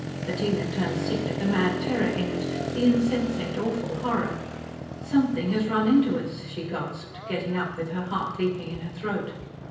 Bettina turned sick at the mad terror in it the insensate, awful horror. "Something has run into us!" she gasped, getting up with her heart leaping in her throat.